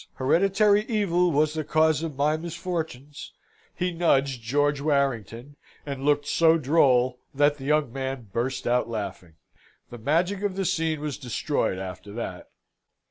Hereditary evil was the cause of my misfortunes," he nudged George Warrington, and looked so droll, that the young man burst out laughing. The magic of the scene was destroyed after that.